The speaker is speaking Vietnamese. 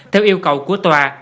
theo yêu cầu của tòa